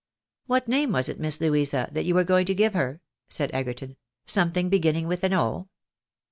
'■ What name was it. Miss Louisa, that you were going to give her? " said Egerton ;" something beginning with an O."